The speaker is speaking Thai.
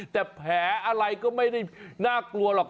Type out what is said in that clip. แต่แผลอะไรก็ไม่ได้น่ากลัวหรอก